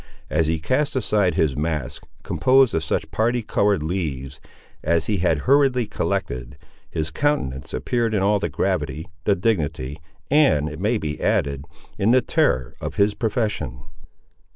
As he cast aside his mask, composed of such party coloured leaves, as he had hurriedly collected, his countenance appeared in all the gravity, the dignity, and, it may be added, in the terror of his profession.